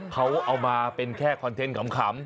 เขาเอามาเป็นแค่คอนเทนต์ขำ